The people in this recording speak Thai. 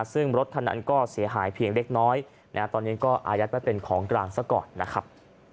ซึ่งรถคันนั้นก็เสียหายเพียงเล็กน้อยตอนนี้ก็อายัดไว้เป็นของกลางซะก่อนนะครับ